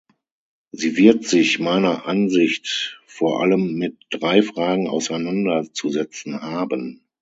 Sie wird sich meiner Ansicht vor allem mit drei Fragen auseinander zu setzen haben.